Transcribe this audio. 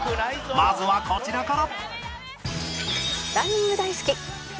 まずはこちらから